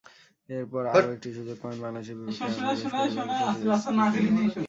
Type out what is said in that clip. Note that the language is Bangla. এরপর আরও একটি সুযোগ পাবেন বাংলাদেশের বিপক্ষে আগামী বৃহস্পতিবারের প্রস্তুতি ম্যাচে।